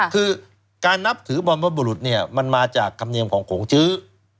คือการนับถือบรรพบุรุษเนี่ยมันมาจากธรรมเนียมของโขงจื้อ